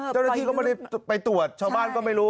เจ้าหน้าที่ก็ไม่ได้ไปตรวจชาวบ้านก็ไม่รู้